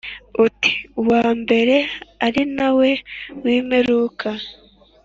uti “Uwa mbere ari na we w’imperuka,